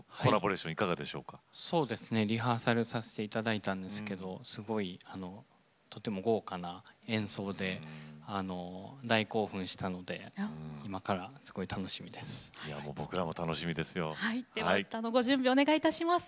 バンドとリハーサルさせていただいたんですけれども豪華な演奏で大興奮したので僕らも楽しみですよ。